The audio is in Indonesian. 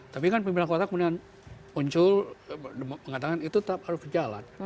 tapi kan peminta kota kemudian muncul mengatakan itu tak perlu berjalan